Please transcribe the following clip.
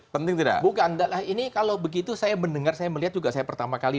penting tidak bukan ini kalau begitu saya mendengar saya melihat juga saya pertama kali